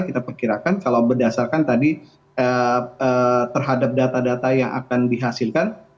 kita perkirakan kalau berdasarkan tadi terhadap data data yang akan dihasilkan